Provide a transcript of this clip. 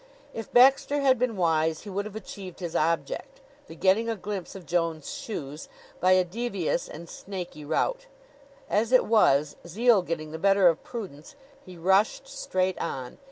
If Baxter had been wise he would have achieved his object the getting a glimpse of Joan's shoes by a devious and snaky route. As it was, zeal getting the better of prudence, he rushed straight on.